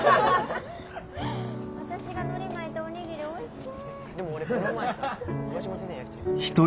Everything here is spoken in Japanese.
私がのり巻いたお握りおいしい。